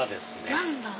何だ？